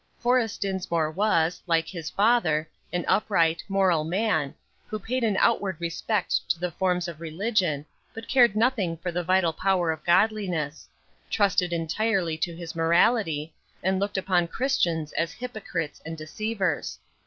Horace Dinsmore was, like his father, an upright, moral man, who paid an outward respect to the forms of religion, but cared nothing for the vital power of godliness; trusted entirely to his morality, and looked upon Christians as hypocrites and deceivers.